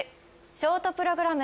ショートプログラム